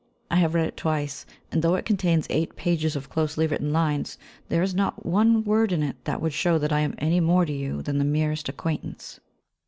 I have read it twice, and, though it contains eight pages of closely written lines, there is not one word in it that would show that I am any more to you than the merest acquaintance.